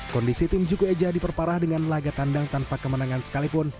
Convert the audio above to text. kondisi tim juku eja diperparah dengan laga tandang tanpa kemenangan sekalipun